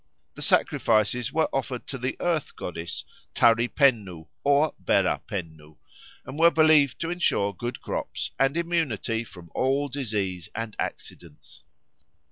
The sacrifices were offered to the Earth Goddess. Tari Pennu or Bera Pennu, and were believed to ensure good crops and immunity from all disease and accidents.